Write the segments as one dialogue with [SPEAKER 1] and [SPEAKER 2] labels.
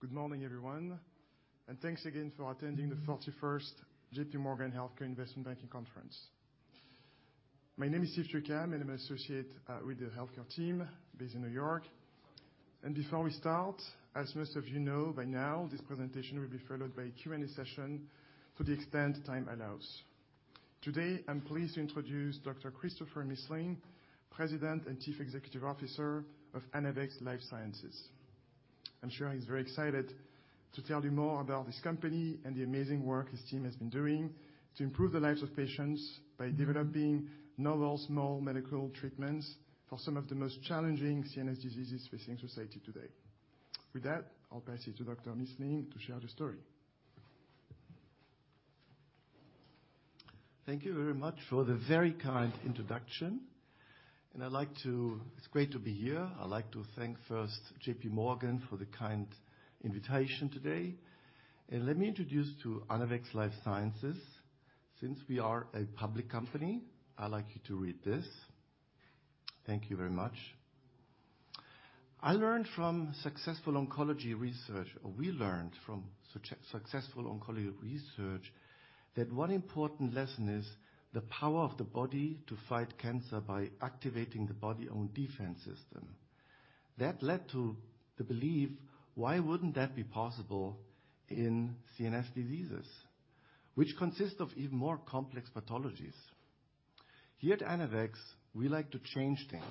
[SPEAKER 1] Good morning, everyone, thanks again for attending the 41st JPMorgan Healthcare Investment Banking Conference. My name is Steve Duncan, and I'm an associate, with the healthcare team based in New York. Before we start, as most of you know by now, this presentation will be followed by Q&A session to the extent time allows. Today, I'm pleased to introduce Dr. Christopher Missling, President and Chief Executive Officer of ANAVEX Life Sciences. I'm sure he's very excited to tell you more about this company and the amazing work his team has been doing to improve the lives of patients by developing novel small medical treatments for some of the most challenging CNS diseases facing society today. With that, I'll pass it to Dr. Missling to share the story.
[SPEAKER 2] Thank you very much for the very kind introduction. It's great to be here. I'd like to thank first JPMorgan for the kind invitation today, and let me introduce to ANAVEX Life Sciences. Since we are a public company, I'd like you to read this. Thank you very much. I learned from successful oncology research, or we learned from successful oncology research that one important lesson is the power of the body to fight cancer by activating the body own defense system. That led to the belief, why wouldn't that be possible in CNS diseases, which consist of even more complex pathologies? Here at ANAVEX, we like to change things.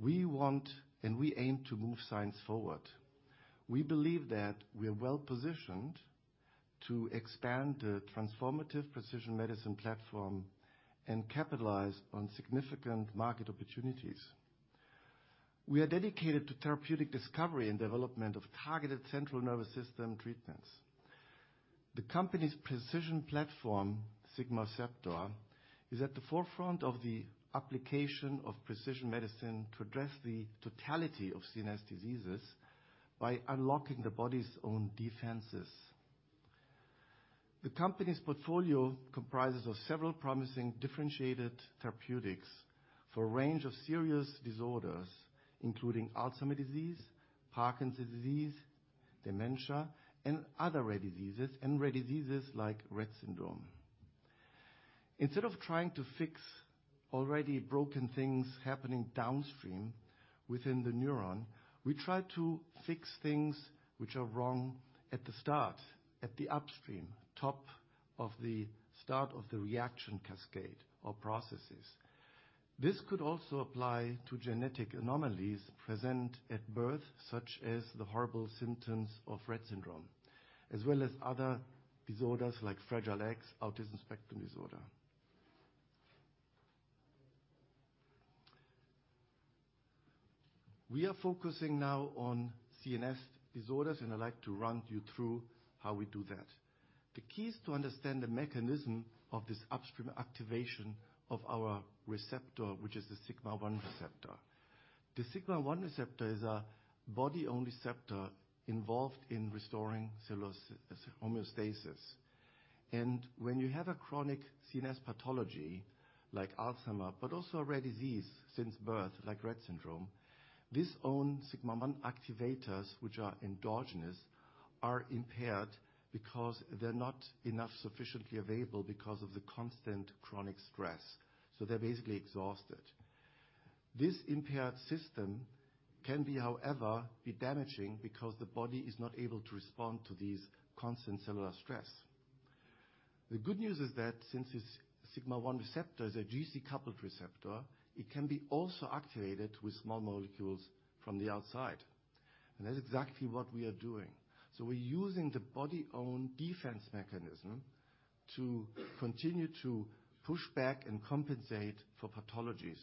[SPEAKER 2] We want, and we aim to move science forward. We believe that we are well-positioned to expand the transformative precision medicine platform and capitalize on significant market opportunities. We are dedicated to therapeutic discovery and development of targeted central nervous system treatments. The company's precision platform, SIGMACEPTOR, is at the forefront of the application of precision medicine to address the totality of CNS diseases by unlocking the body's own defenses. The company's portfolio comprises of several promising differentiated therapeutics for a range of serious disorders, including Alzheimer's disease, Parkinson's disease, dementia, and other rare diseases, and rare diseases like Rett syndrome. Instead of trying to fix already broken things happening downstream within the neuron, we try to fix things which are wrong at the start, at the upstream, top of the start of the reaction cascade or processes. This could also apply to genetic anomalies present at birth, such as the horrible symptoms of Rett syndrome, as well as other disorders like Fragile X, autism spectrum disorder. We are focusing now on CNS disorders, and I'd like to run you through how we do that. The key is to understand the mechanism of this upstream activation of our receptor, which is the sigma-1 receptor. The sigma-1 receptor is a body-only receptor involved in restoring homeostasis. When you have a chronic CNS pathology like Alzheimer, but also a rare disease since birth, like Rett syndrome, this own sigma-1 activators, which are endogenous, are impaired because they're not enough sufficiently available because of the constant chronic stress, so they're basically exhausted. This impaired system can be, however, damaging because the body is not able to respond to these constant cellular stress. The good news is that since this sigma-1 receptor is a GC-coupled receptor, it can be also activated with small molecules from the outside, and that's exactly what we are doing. We're using the body's own defense mechanism to continue to push back and compensate for pathologies,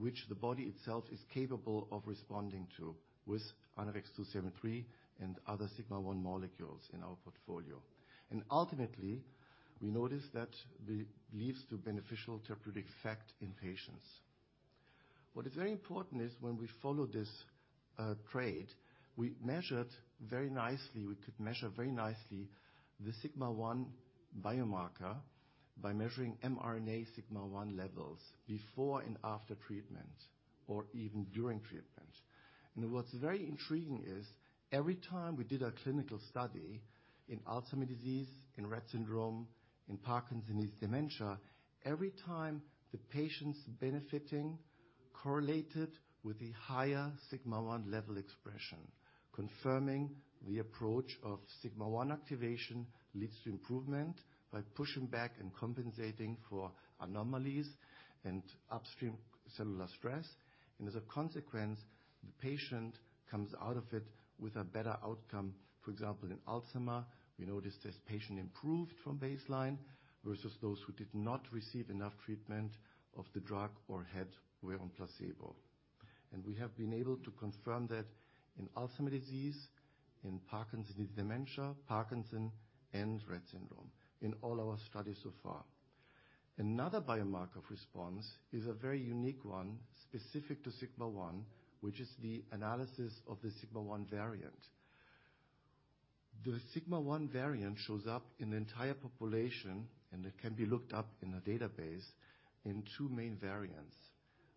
[SPEAKER 2] which the body itself is capable of responding to with ANAVEX2-73 and other sigma-1 molecules in our portfolio. Ultimately, we notice that it leads to beneficial therapeutic effect in patients. What is very important is when we follow this trade, we measured very nicely. We could measure very nicely the sigma-1 biomarker by measuring mRNA sigma-1 levels before and after treatment or even during treatment. What's very intriguing is every time we did a clinical study in Alzheimer's disease, in Rett syndrome, in Parkinson's disease dementia, every time the patients benefiting correlated with the higher sigma-1 level expression, confirming the approach of sigma-1 activation leads to improvement by pushing back and compensating for anomalies and upstream cellular stress. As a consequence, the patient comes out of it with a better outcome. For example, in Alzheimer's, we noticed this patient improved from baseline versus those who did not receive enough treatment of the drug or had, were on placebo. We have been able to confirm that in Alzheimer's disease, in Parkinson's disease dementia, Parkinson's disease, and Rett syndrome in all our studies so far. Another biomarker of response is a very unique one specific to sigma-1, which is the analysis of the sigma-1 variant. The sigma-1 variant shows up in the entire population, and it can be looked up in a database in two main variants.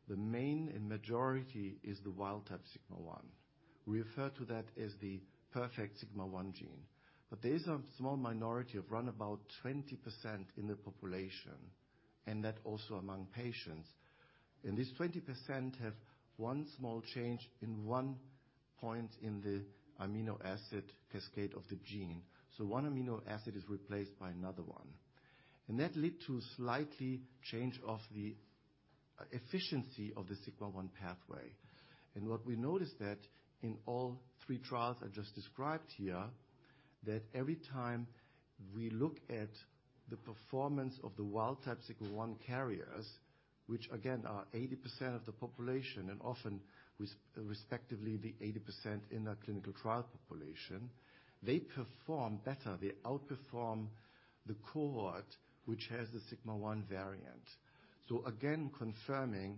[SPEAKER 2] The main and majority is the wild type sigma-1. We refer to that as the perfect sigma-1 gene. There is a small minority of round about 20% in the population, and that also among patients. This 20% have 1 small change in 1 point in the amino acid cascade of the gene. One amino acid is replaced by another 1, and that lead to slightly change of the efficiency of the sigma-1 pathway. What we noticed that in all 3 trials I just described here, that every time we look at the performance of the wild type sigma-1 carriers, which again are 80% of the population and often respectively the 80% in that clinical trial population, they perform better. They outperform the cohort, which has the sigma-1 variant. Again, confirming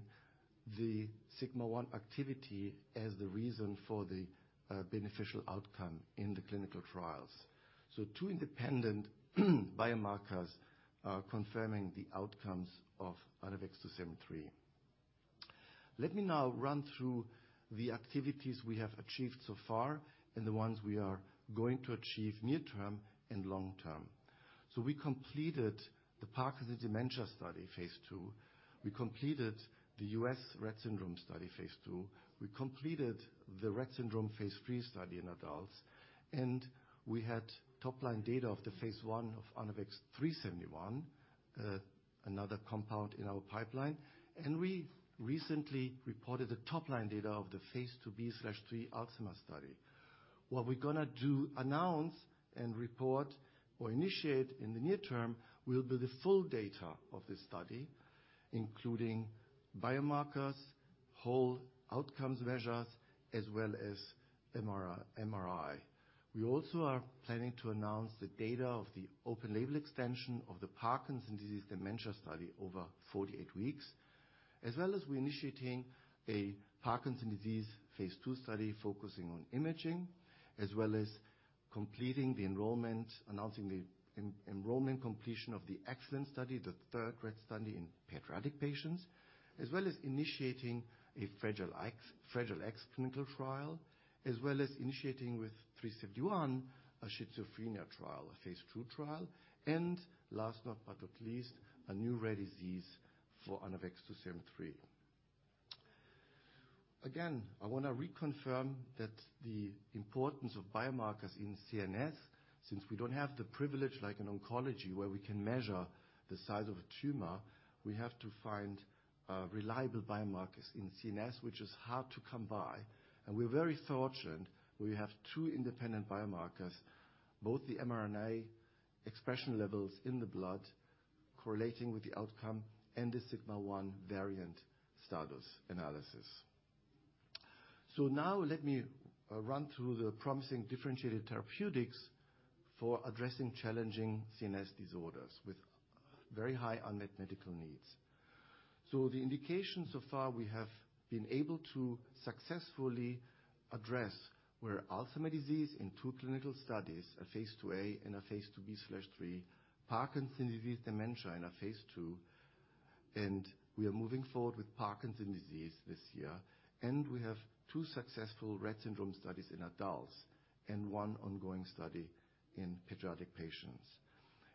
[SPEAKER 2] the sigma-1 activity as the reason for the beneficial outcome in the clinical trials. Two independent biomarkers are confirming the outcomes of ANAVEX2-73. Let me now run through the activities we have achieved so far and the ones we are going to achieve near term and long term. We completed the Parkinson dementia study phase II. We completed the U.S. Rett syndrome study phase II. We completed the Rett syndrome phase III study in adults. We had top line data of the phase I of ANAVEX 3-71, another compound in our pipeline. We recently reported the top line data of the phase IIb/III Alzheimer's study. What we're gonna do, announce, and report or initiate in the near term will be the full data of this study, including biomarkers, whole outcomes measures, as well as MRI. We also are planning to announce the data of the open label extension of the Parkinson's disease dementia study over 48 weeks, as well as we're initiating a Parkinson's disease phase two study focusing on imaging, as well as completing the enrollment, announcing the enrollment completion of the EXCELLENCE study, the third Rett study in pediatric patients, as well as initiating a Fragile X clinical trial, as well as initiating with 3-71 a schizophrenia trial, a phase two trial. Last but not least, a new rare disease for ANAVEX 2-73. Again, I wanna reconfirm that the importance of biomarkers in CNS, since we don't have the privilege like in oncology, where we can measure the size of a tumor, we have to find reliable biomarkers in CNS, which is hard to come by. We're very fortunate we have 2 independent biomarkers, both the mRNA expression levels in the blood correlating with the outcome and the sigma-1 variant status analysis. Now let me run through the promising differentiated therapeutics for addressing challenging CNS disorders with very high unmet medical needs. The indications so far we have been able to successfully address were Alzheimer's disease in 2 clinical studies, a phase IIa and a phase IIb/3, Parkinson's disease dementia in a phase II, and we are moving forward with Parkinson's disease this year. We have 2 successful Rett syndrome studies in adults and 1 ongoing study in pediatric patients.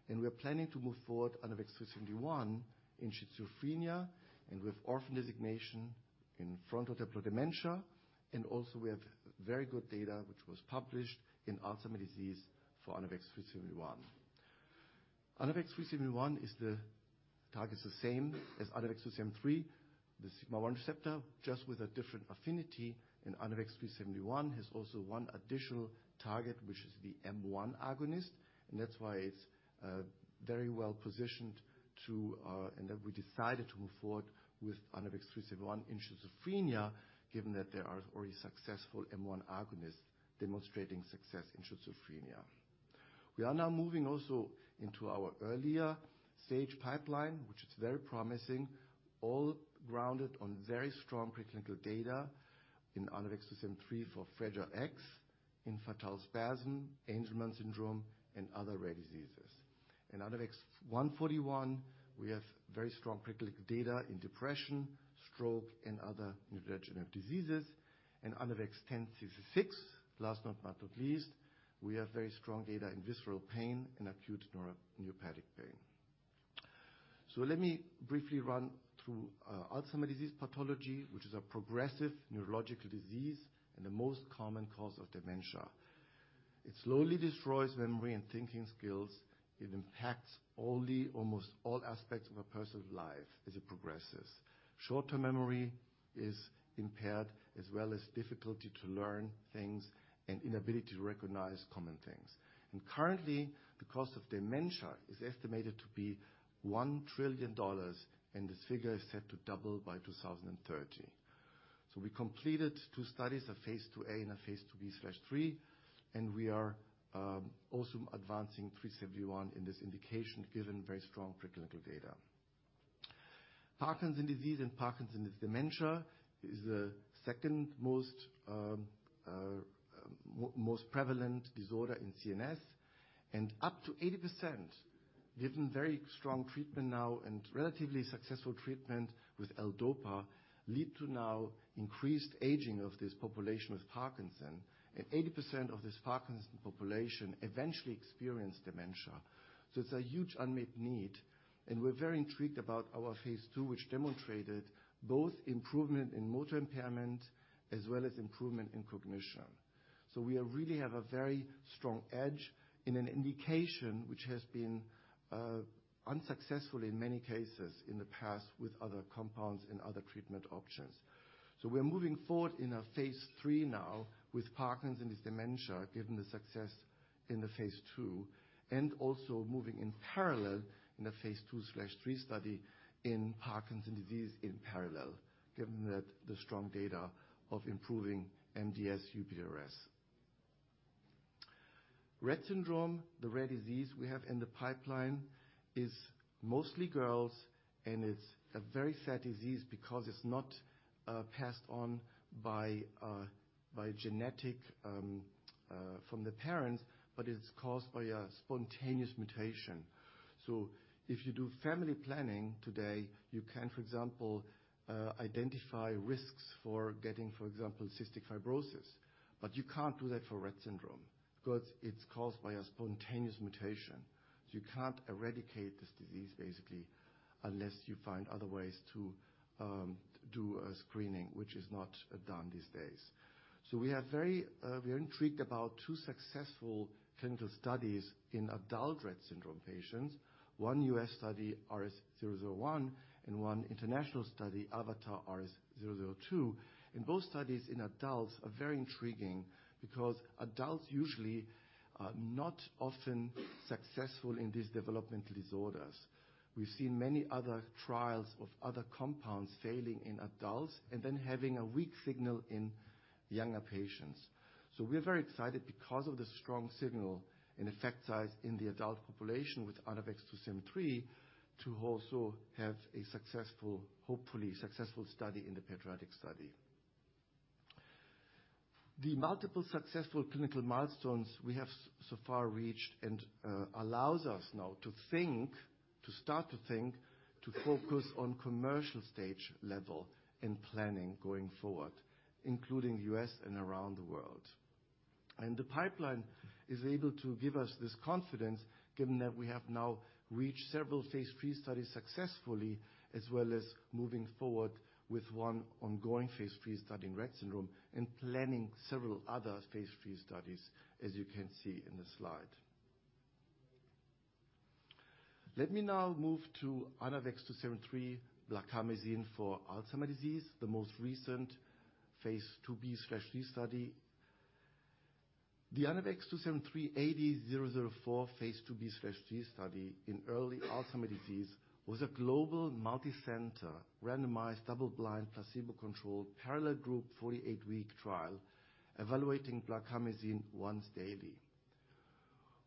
[SPEAKER 2] We are planning to move forward ANAVEX 2-71 in schizophrenia and with Orphan Drug Designation in frontotemporal dementia. We have very good data, which was published in Alzheimer's disease for ANAVEX 2-71. ANAVEX 2-71 targets the same as ANAVEX 2-73, the sigma-1 receptor just with a different affinity, and ANAVEX 2-71 has also 1 additional target, which is the M1 agonist, and that's why it's very well-positioned to, and that we decided to move forward with ANAVEX 2-71 in schizophrenia given that there are already successful M1 agonist demonstrating success in schizophrenia. We are now moving also into our earlier stage pipeline, which is very promising, all grounded on very strong preclinical data in ANAVEX 2-73 for Fragile X, in infantile spasms, Angelman syndrome and other rare diseases. In ANAVEX 1-41, we have very strong preclinical data in depression, stroke and other neurodegenerative diseases. In ANAVEX 1066, last but not least, we have very strong data in visceral pain and acute neuropathic pain. Let me briefly run through Alzheimer's disease pathology, which is a progressive neurological disease and the most common cause of dementia. It slowly destroys memory and thinking skills. It impacts only almost all aspects of a person's life as it progresses. Short-term memory is impaired, as well as difficulty to learn things and inability to recognize common things. Currently, the cost of dementia is estimated to be $1 trillion, and this figure is set to double by 2030. We completed 2 studies, a phase IIA and a phase IIb/3, and we are also advancing 3-71 in this indication, given very strong preclinical data. Parkinson's disease and Parkinson's disease dementia is the second most prevalent disorder in CNS, and up to 80% given very strong treatment now and relatively successful treatment with L-DOPA lead to now increased aging of this population with Parkinson, and 80% of this Parkinson population eventually experience dementia. It's a huge unmet need, and we're very intrigued about our phase II, which demonstrated both improvement in motor impairment as well as improvement in cognition. We are really have a very strong edge in an indication which has been unsuccessful in many cases in the past with other compounds and other treatment options. We are moving forward in a phase III now with Parkinson's dementia, given the success in the phase II, and also moving in parallel in a phase II/3 study in Parkinson's disease in parallel, given that the strong data of improving MDS-UPDRS. Rett syndrome, the rare disease we have in the pipeline is mostly girls, and it's a very sad disease because it's not passed on by genetic from the parents, but it's caused by a spontaneous mutation. If you do family planning today, you can, for example, identify risks for getting, for example, cystic fibrosis. You can't do that for Rett syndrome because it's caused by a spontaneous mutation. You can't eradicate this disease basically unless you find other ways to do a screening which is not done these days. We are very, we are intrigued about two successful clinical studies in adult Rett syndrome patients. One US study, RS001, and one international study, Avatar RS002. Both studies in adults are very intriguing because adults usually are not often successful in these developmental disorders. We've seen many other trials of other compounds failing in adults and then having a weak signal in younger patients. We are very excited because of the strong signal and effect size in the adult population with ANAVEX2-73 to also have a hopefully successful study in the pediatric study. The multiple successful clinical milestones we have so far reached, allows us now to think, to start to think, to focus on commercial stage level in planning going forward, including U.S. and around the world. The pipeline is able to give us this confidence given that we have now reached several phase III studies successfully, as well as moving forward with 1 ongoing phase III study in Rett syndrome and planning several other phase III studies, as you can see in the slide. Let me now move to ANAVEX2-73 Blarcamesine for Alzheimer's disease, the most recent phase IIb/III study. The ANAVEX2-73-AD-004 phase IIb/III study in early Alzheimer's disease was a global multicenter randomized double-blind placebo-controlled parallel group 48-week trial evaluating Blarcamesine once daily.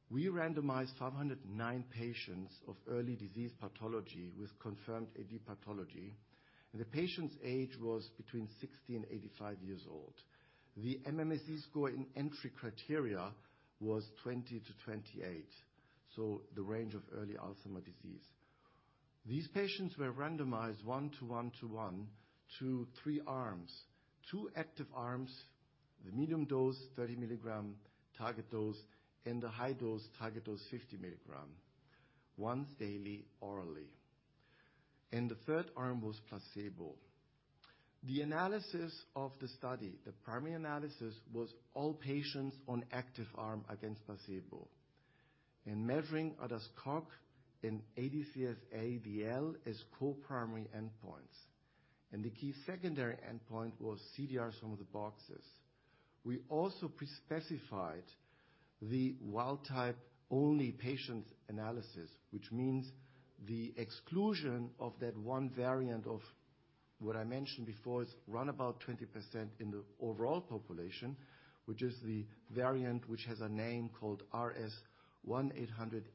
[SPEAKER 2] We randomized 509 patients of early disease pathology with confirmed AD pathology, and the patient's age was between 60 and 85 years old. The MMSE score in entry criteria was 20-28, so the range of early Alzheimer's disease. These patients were randomized 1-t-1-1-3 arms. 2 active arms, the medium dose, 30 milligram target dose, and the high dose target dose 50 milligram once daily orally. The third arm was placebo. The analysis of the study, the primary analysis was all patients on active arm against placebo. In measuring ADAS-Cog and ADCS-ADL as co-primary endpoints, and the key secondary endpoint was CDR-SB. We also pre-specified the wild type only patients analysis, which means the exclusion of that 1 variant of what I mentioned before is round about 20% in the overall population, which is the variant which has a name called rs1800866.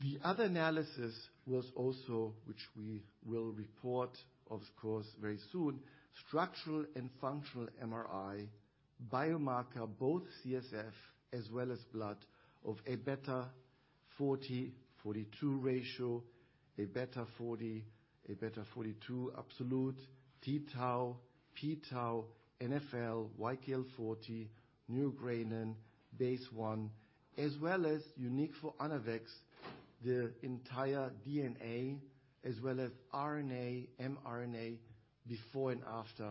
[SPEAKER 2] The other analysis was also, which we will report of course very soon, structural and functional MRI biomarker, both CSF as well as blood of Aβ42/Aβ40 ratio, Aβ40, Aβ42 absolute, t-tau, p-tau, NfL, YKL-40, neurogranin, BACE1, as well as unique for ANAVEX, the entire DNA as well as RNA, mRNA before and after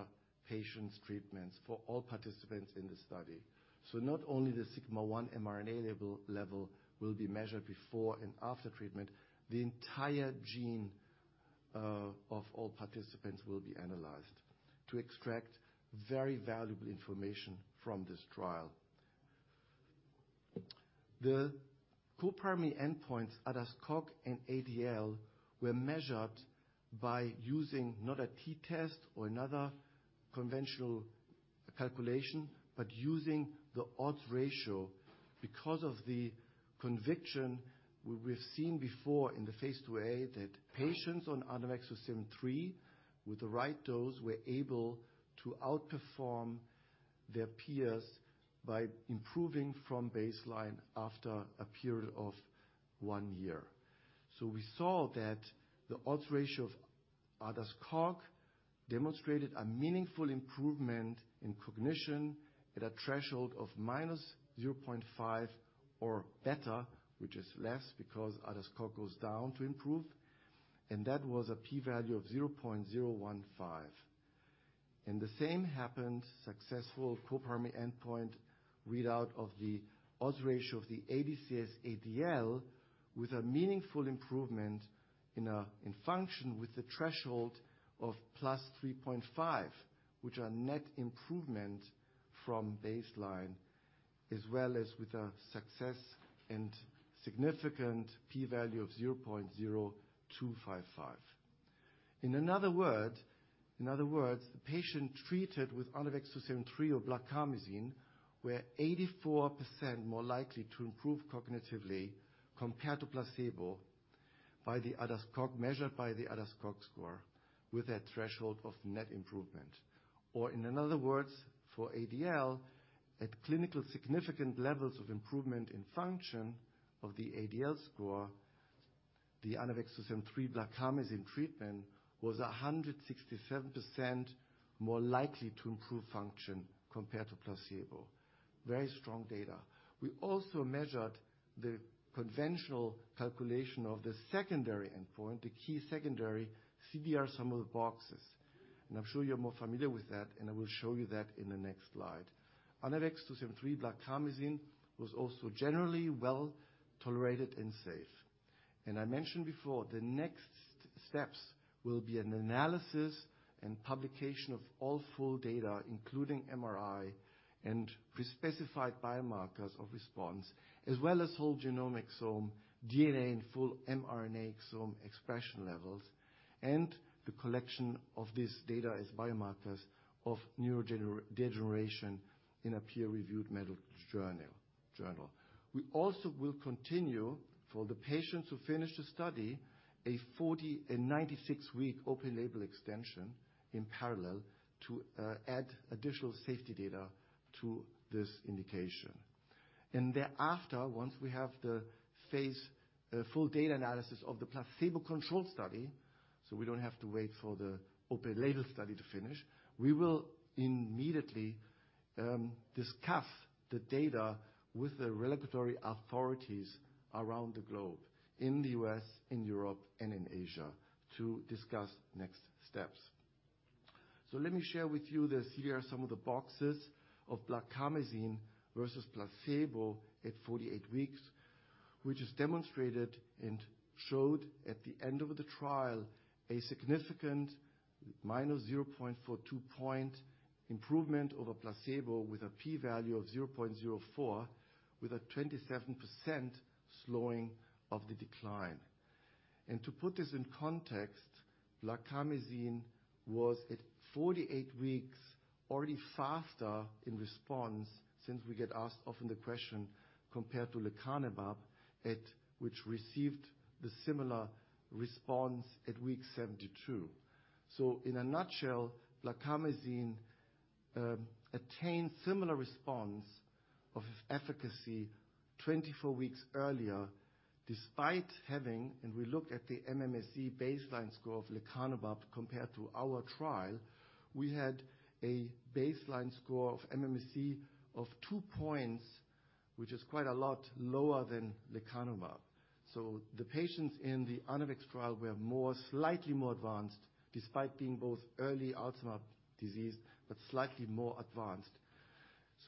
[SPEAKER 2] patients treatments for all participants in the study. Not only the sigma-1 mRNA level will be measured before and after treatment, the entire gene of all participants will be analyzed to extract very valuable information from this trial. The co-primary endpoints, ADAS-Cog and ADL, were measured by using not a T-test or another conventional calculation, but using the odds ratio because of the conviction we've seen before in the phase IIa that patients on ANAVEX2-73 with the right dose were able to outperform their peers by improving from baseline after a period of 1 year. We saw that the odds ratio of ADAS-Cog demonstrated a meaningful improvement in cognition at a threshold of -0.5 or better, which is less because ADAS-Cog goes down to improve. That was a P value of 0.015. The same happened, successful co-primary endpoint readout of the odds ratio of the ADCS-ADL with a meaningful improvement in function with a threshold of +3.5, which are net improvement from baseline, as well as with a success and significant P value of 0.0255. In other words, the patient treated with ANAVEX2-73 or Blarcamesine were 84% more likely to improve cognitively compared to placebo by the ADAS-Cog, measured by the ADAS-Cog score with a threshold of net improvement. In other words, for ADL, at clinical significant levels of improvement in function of the ADL score, the ANAVEX2-73 Blarcamesine treatment was 167% more likely to improve function compared to placebo. Very strong data. We also measured the conventional calculation of the secondary endpoint, the key secondary, CDR-SB. I'm sure you're more familiar with that, and I will show you that in the next slide. ANAVEX 2-73 Blarcamesine was also generally well-tolerated and safe. I mentioned before, the next steps will be an analysis and publication of all full data, including MRI and prespecified biomarkers of response, as well as whole genomic some DNA and full mRNA exome expression levels, and the collection of this data as biomarkers of neurodegeneration in a peer-reviewed medical journal. We also will continue for the patients who finish the study, a 40 and 96-week open label extension in parallel to add additional safety data to this indication. Thereafter, once we have the phase full data analysis of the placebo-controlled study, we don't have to wait for the open label study to finish, we will immediately discuss the data with the regulatory authorities around the globe, in the U.S., in Europe, and in Asia, to discuss next steps. Let me share with you this here, some of the boxes of Blarcamesine versus placebo at 48 weeks, which is demonstrated and showed at the end of the trial a significant minus 0.42 point improvement over placebo with a P value of 0.04, with a 27% slowing of the decline. To put this in context, Blarcamesine was at 48 weeks already faster in response since we get asked often the question compared to Lecanemab at which received the similar response at week 72. In a nutshell, Blarcamesine attained similar response of efficacy 24 weeks earlier, despite having, and we look at the MMSE baseline score of Lecanemab compared to our trial, we had a baseline score of MMSE of 2 points, which is quite a lot lower than Lecanemab. The patients in the ANAVEX trial were slightly more advanced, despite being both early Alzheimer's disease, but slightly more advanced.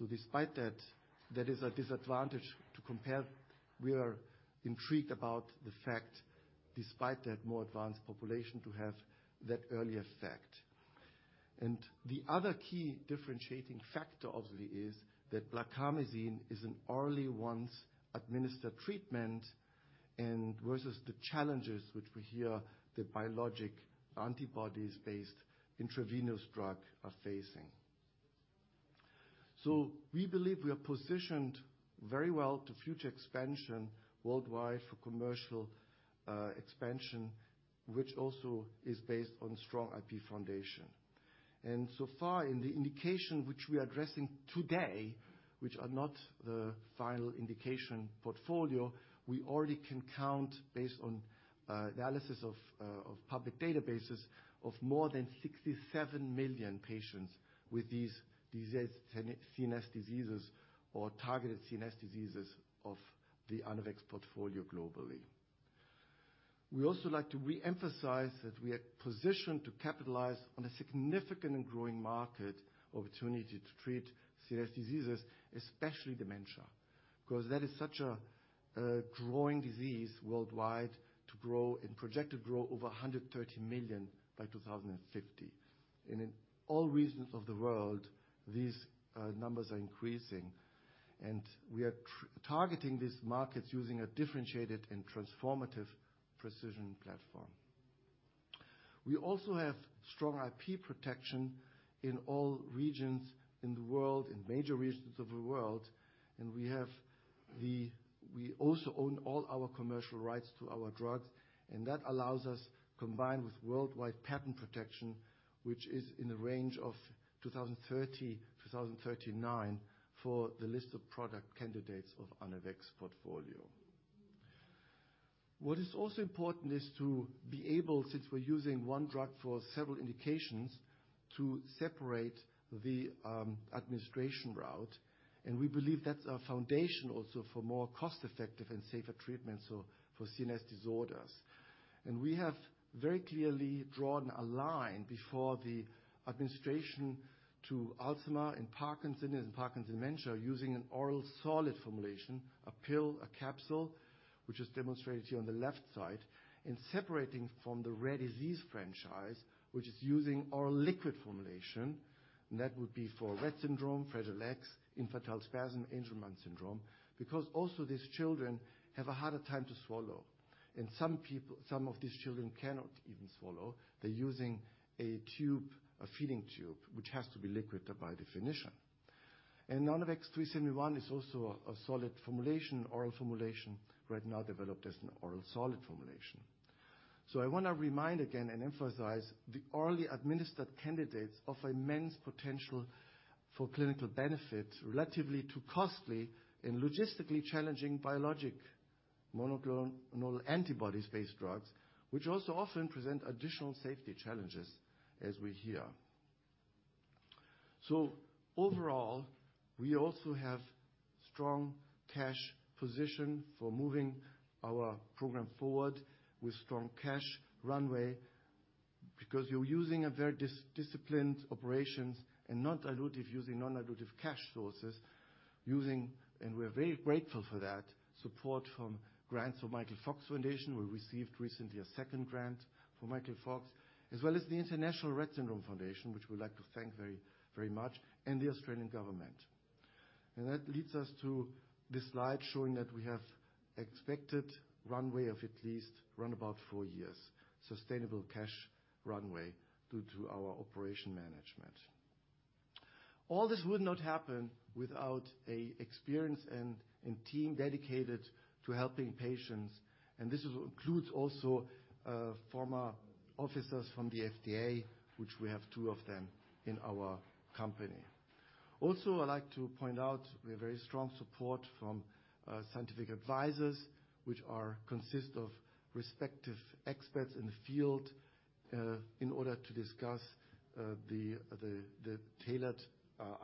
[SPEAKER 2] Despite that is a disadvantage to compare, we are intrigued about the fact, despite that more advanced population, to have that early effect. The other key differentiating factor obviously is that Blarcamesine is an orally once administered treatment and versus the challenges which we hear the biologic antibodies based intravenous drug are facing. We believe we are positioned very well to future expansion worldwide for commercial expansion, which also is based on strong IP foundation. So far in the indication which we are addressing today, which are not the final indication portfolio, we already can count based on analysis of public databases of more than 67 million patients with these disease, CNS diseases or targeted CNS diseases of the ANAVEX portfolio globally. We also like to re-emphasize that we are positioned to capitalize on a significant and growing market opportunity to treat CNS diseases, especially dementia, because that is such a growing disease worldwide to grow and projected growth over 130 million by 2050. In all regions of the world, these numbers are increasing, and we are targeting these markets using a differentiated and transformative precision platform. We also have strong IP protection in all regions in the world, in major regions of the world, and we have the... We also own all our commercial rights to our drugs, that allows us, combined with worldwide patent protection, which is in the range of 2030-2039 for the list of product candidates of ANAVEX portfolio. What is also important is to be able, since we're using one drug for several indications, to separate the administration route, we believe that's a foundation also for more cost-effective and safer treatments for CNS disorders. We have very clearly drawn a line before the administration to Alzheimer and Parkinson and Parkinson dementia using an oral solid formulation, a pill, a capsule, which is demonstrated here on the left side, and separating from the rare disease franchise, which is using oral liquid formulation. That would be for Rett syndrome, Fragile X, Infantile spasm, Angelman syndrome. Also these children have a harder time to swallow. Some of these children cannot even swallow. They're using a tube, a feeding tube, which has to be liquid by definition. ANAVEX2-71 is also a solid formulation, oral formulation, right now developed as an oral solid formulation. I wanna remind again and emphasize the orally administered candidates of immense potential for clinical benefit, relatively too costly and logistically challenging biologic monoclonal antibodies-based drugs, which also often present additional safety challenges as we hear. Overall, we also have strong cash position for moving our program forward with strong cash runway because you're using a very disciplined operations and not dilutive using non-dilutive cash sources, using, and we're very grateful for that, support from grants from The Michael J. Fox Foundation for Parkinson's Research. We received recently a second grant from Michael J. Fox, as well as the International Rett Syndrome Foundation, which we'd like to thank very, very much, and the Australian government. That leads us to this slide showing that we have expected runway of at least round about 4 years, sustainable cash runway due to our operation management. All this would not happen without a experience and team dedicated to helping patients. This is what includes also former officers from the FDA, which we have two of them in our company. I'd like to point out we have very strong support from scientific advisors, which are consist of respective experts in the field, in order to discuss the tailored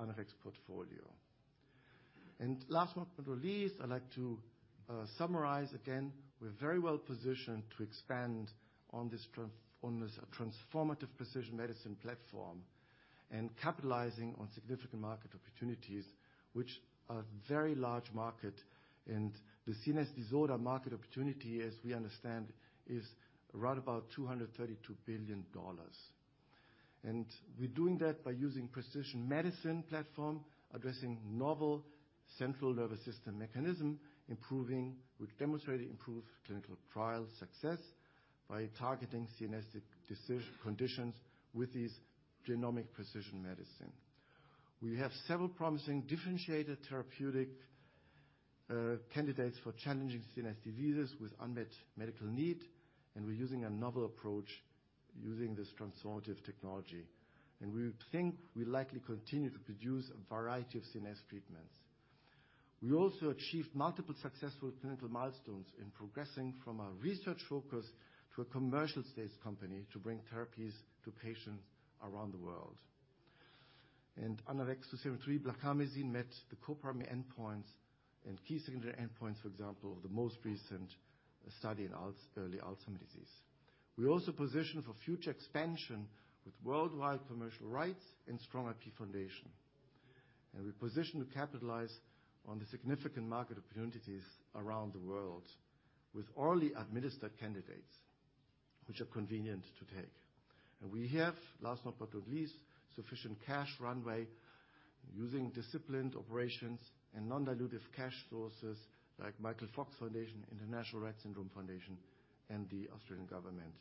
[SPEAKER 2] ANAVEX portfolio. Last but not least, I'd like to summarize again, we're very well positioned to expand on this. on this transformative precision medicine platform and capitalizing on significant market opportunities, which are very large market. The CNS disorder market opportunity, as we understand, is right about $232 billion. We're doing that by using precision medicine platform, addressing novel central nervous system mechanism. We've demonstrated improved clinical trial success by targeting CNS conditions with these genomic precision medicine. We have several promising differentiated therapeutic candidates for challenging CNS diseases with unmet medical need, and we're using a novel approach using this transformative technology. We think we likely continue to produce a variety of CNS treatments. We also achieved multiple successful clinical milestones in progressing from a research focus to a commercial space company to bring therapies to patients around the world. ANAVEX2-73 Blarcamesine met the co-primary endpoints and key secondary endpoints, for example, the most recent study in early Alzheimer's disease. We also position for future expansion with worldwide commercial rights and strong IP foundation. We position to capitalize on the significant market opportunities around the world with orally administered candidates, which are convenient to take. We have, last but not least, sufficient cash runway using disciplined operations and non-dilutive cash sources like Michael J. Fox Foundation, International Rett Syndrome Foundation, and the Australian government.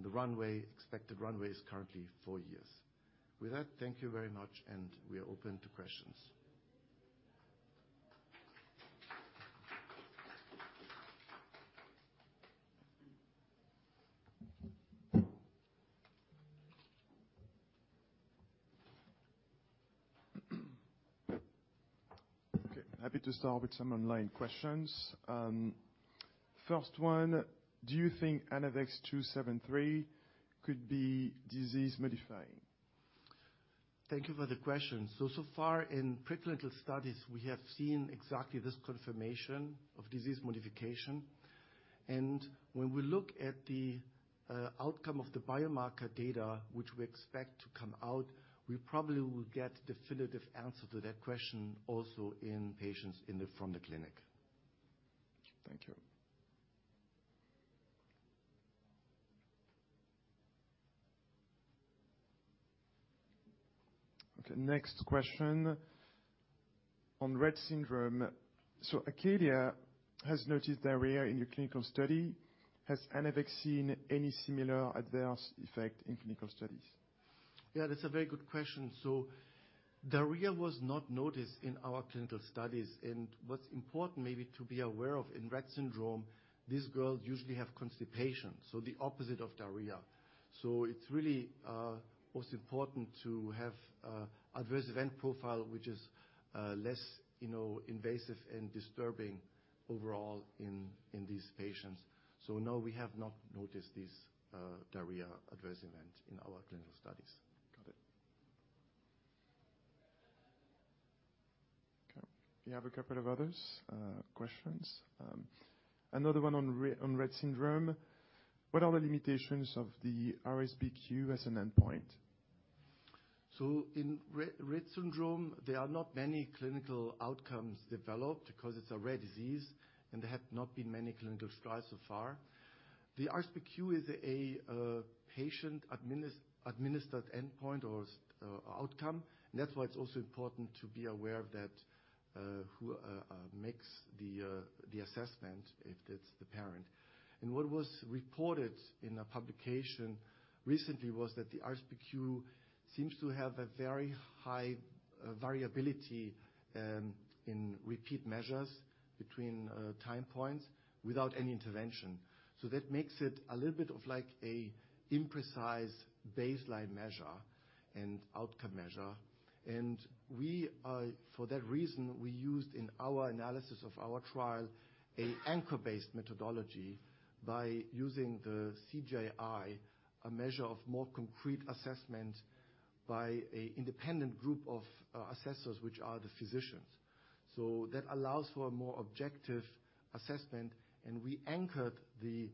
[SPEAKER 2] The runway, expected runway is currently four years. With that, thank you very much, and we are open to questions.
[SPEAKER 1] Happy to start with some online questions. First one, do you think ANAVEX 2-73 could be disease modifying?
[SPEAKER 2] Thank you for the question. So far in preclinical studies, we have seen exactly this confirmation of disease modification. When we look at the outcome of the biomarker data, which we expect to come out, we probably will get definitive answer to that question also in patients in the, from the clinic.
[SPEAKER 1] Thank you. Okay, next question on Rett syndrome. Acadia has noticed diarrhea in your clinical study. Has ANAVEX seen any similar adverse effect in clinical studies?
[SPEAKER 2] Yeah, that's a very good question. Diarrhea was not noticed in our clinical studies. What's important maybe to be aware of in Rett syndrome, these girls usually have constipation, so the opposite of diarrhea. It's really what's important to have adverse event profile, which is less, you know, invasive and disturbing overall in these patients. No, we have not noticed this diarrhea adverse event in our clinical studies.
[SPEAKER 1] Got it. Okay. We have a couple of others, questions, another one on Rett syndrome. What are the limitations of the RSBQ as an endpoint?
[SPEAKER 2] In Rett syndrome, there are not many clinical outcomes developed because it's a rare disease, and there have not been many clinical trials so far. The RSBQ is a patient-administered endpoint or outcome. That's why it's also important to be aware of who makes the assessment, if it's the parent. What was reported in a publication recently was that the RSBQ seems to have a very high variability in repeat measures between time points without any intervention. That makes it a little bit of like a imprecise baseline measure and outcome measure. We, for that reason, we used in our analysis of our trial, a anchor-based methodology by using the CGI, a measure of more concrete assessment by a independent group of assessors, which are the physicians. That allows for a more objective assessment, and we anchored the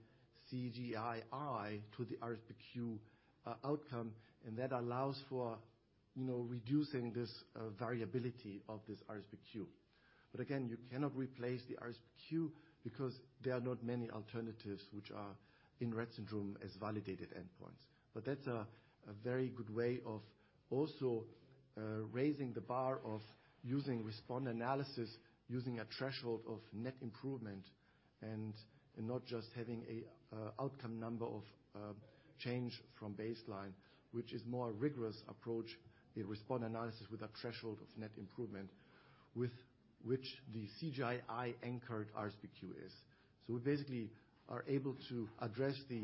[SPEAKER 2] CGI-I to the RSBQ outcome. That allows for, you know, reducing this variability of this RSBQ. Again, you cannot replace the RSBQ because there are not many alternatives which are in Rett syndrome as validated endpoints. That's a very good way of also raising the bar of using responder analysis, using a threshold of net improvement, and not just having a outcome number of change from baseline, which is more rigorous approach, a responder analysis with a threshold of net improvement with which the CGI-I anchored RSBQ is. We basically are able to address the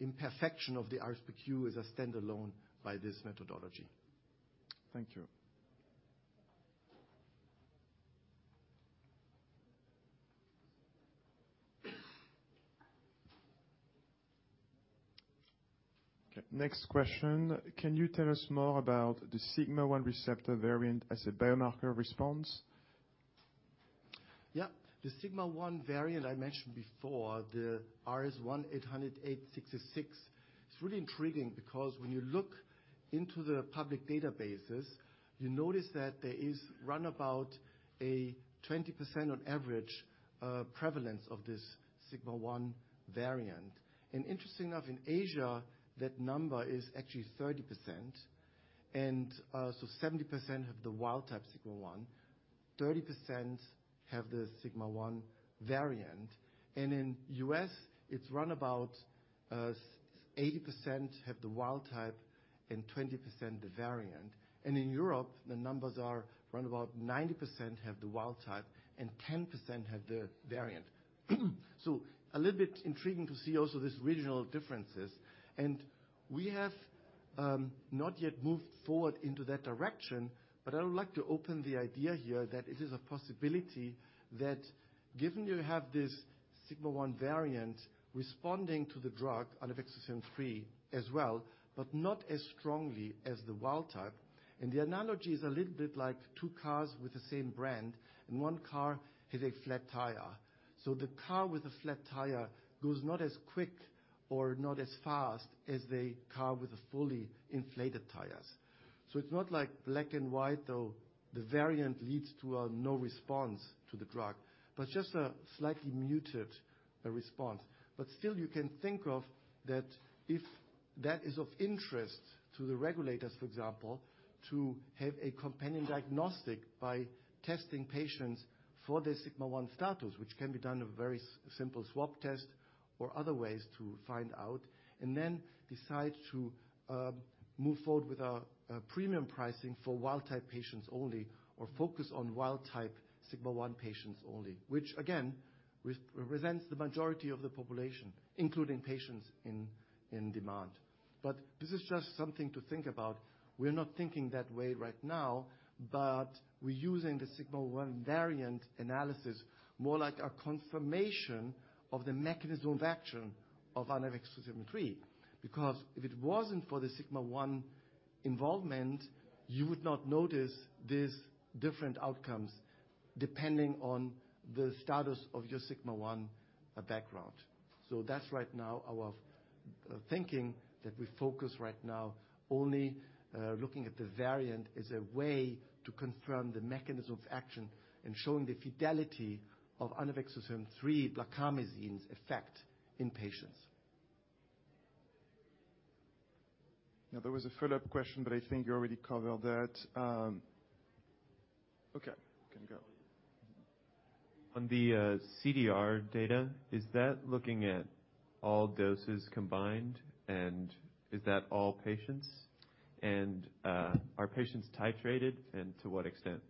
[SPEAKER 2] imperfection of the RSBQ as a standalone by this methodology.
[SPEAKER 1] Thank you. Next question. Can you tell us more about the sigma-1 receptor variant as a biomarker response?
[SPEAKER 2] Yeah. The SIGMAR1 variant I mentioned before, the rs1800866, is really intriguing because when you look into the public databases, you notice that there is round about a 20% on average prevalence of this SIGMAR1 variant. Interesting enough, in Asia, that number is actually 30%. 70% have the wild type sigma-1, 30% have the SIGMAR1 variant, and in US it's round about 80% have the wild type and 20% the variant. In Europe, the numbers are round about 90% have the wild type and 10% have the variant. A little bit intriguing to see also these regional differences. We have not yet moved forward into that direction, but I would like to open the idea here that it is a possibility that given you have this SIGMAR1 variant responding to the drug, ANAVEX2-73 as well, but not as strongly as the wild type. The analogy is a little bit like two cars with the same brand, and one car has a flat tire. The car with a flat tire goes not as quick or not as fast as the car with the fully inflated tires. It's not like black and white, though the variant leads to no response to the drug, but just a slightly muted response. Still you can think of that if that is of interest to the regulators, for example, to have a companion diagnostic by testing patients for the sigma-1 status, which can be done a very simple swab test or other ways to find out. Then decide to move forward with our premium pricing for wild type patients only or focus on wild type sigma-1 patients only, which again, represents the majority of the population, including patients in demand. This is just something to think about. We're not thinking that way right now, but we're using the SIGMAR1 variant analysis more like a confirmation of the mechanism of action of ANAVEX2-73. If it wasn't for the sigma-1 involvement, you would not notice these different outcomes depending on the status of your sigma-1 background. That's right now our thinking that we focus right now only looking at the variant as a way to confirm the mechanism of action and showing the fidelity of ANAVEX2-73 Blarcamesine's effect in patients.
[SPEAKER 1] There was a follow-up question, but I think you already covered that. You can go.
[SPEAKER 3] On the CDR data, is that looking at all doses combined, and is that all patients? Are patients titrated, and to what extent?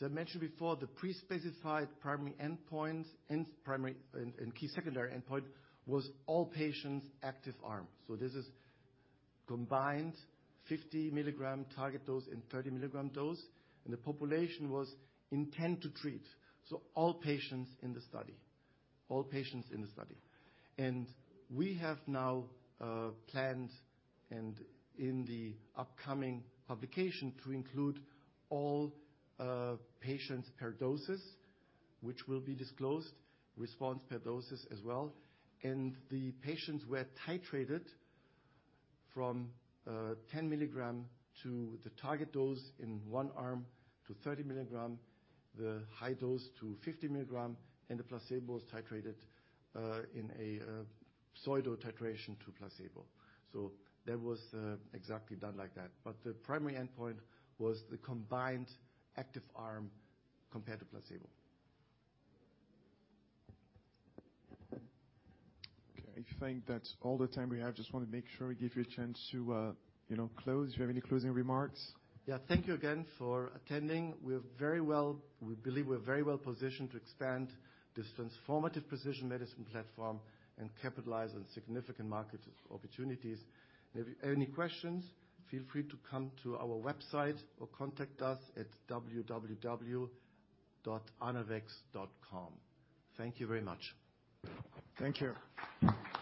[SPEAKER 2] Yep. I mentioned before the pre-specified primary endpoint and primary and key secondary endpoint was all patients active arm. This is combined 50 milligram target dose and 30 milligram dose, and the population was intention-to-treat. All patients in the study. And we have now planned and in the upcoming publication to include all patients per doses, which will be disclosed, response per doses as well. And the patients were titrated from 10 milligram to the target dose in one arm to 30 milligram, the high dose to 50 milligram, and the placebo was titrated in a pseudo titration to placebo. That was exactly done like that. The primary endpoint was the combined active arm compared to placebo.
[SPEAKER 1] Okay. I think that's all the time we have. Just wanna make sure we give you a chance to, you know, close. Do you have any closing remarks?
[SPEAKER 2] Thank you again for attending. We believe we're very well positioned to expand this transformative precision medicine platform and capitalize on significant market opportunities. If you have any questions, feel free to come to our website or contact us at www.anavex.com. Thank you very much.
[SPEAKER 1] Thank you.